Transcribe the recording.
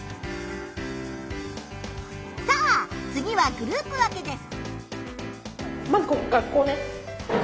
さあ次はグループ分けです。